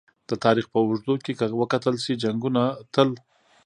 د تاریخ په اوږدو کې که وکتل شي! جنګونه تل